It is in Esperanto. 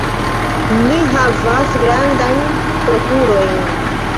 Ni havas grandajn prokurojn.